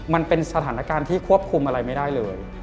มันเป็นสถานการณ์ที่ควบคุมอะไรไม่ได้เลย